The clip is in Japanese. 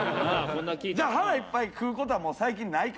じゃあ、腹いっぱい食うことは最近ないか？